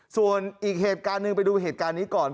ส่วนอีกเหตุการณ์หนึ่งไปดูเหตุการณ์นี้ก่อน